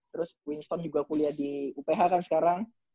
terus wingstone juga kuliah di uph kan sekarang